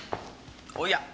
おや？